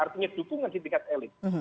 artinya dukungan di tingkat elit